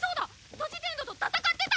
トジテンドと戦ってた！